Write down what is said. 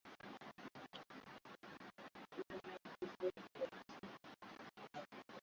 ni uchambuzi wake dokta sengondo mvungi